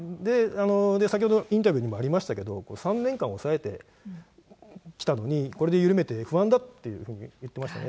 先ほど、インタビューにもありましたけれども、３年間抑えてきたのに、これで緩めて不安だというふうに言ってましたよね。